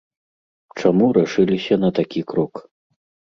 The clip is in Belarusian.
Чаму рашыліся на такі крок?